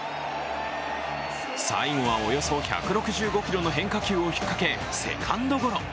最後はおよそ１６５キロの変化球を引っ掛け、セカンドゴロ。